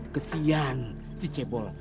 kesian si cebol